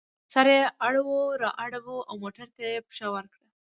سر یې اړو را اړوو او موټر ته یې پښه ورکړې وه.